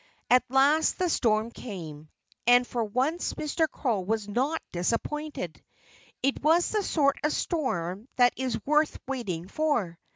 At last the storm came. And for once Mr. Crow was not disappointed. It was the sort of storm that is worth waiting for.